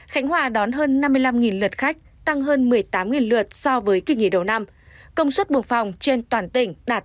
khánh hòa đón hơn năm mươi năm lượt khách tăng hơn một mươi tám lượt so với kỳ nghỉ đầu năm công suất buộc phòng trên toàn tỉnh đạt tám mươi